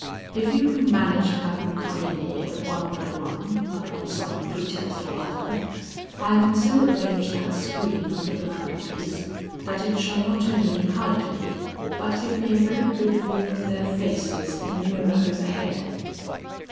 If you can manage to have them come in here one by one upon some pretext or other, I can so arrange that screen under the mantel piece, that it shall not only hide me, but give me a very good view of their faces in the mirror overhead."